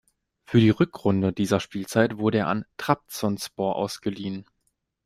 Für die Rückrunde dieser Spielzeit wurde er an Trabzonspor ausgeliehen.